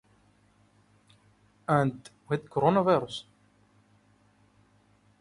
And with coronavirus?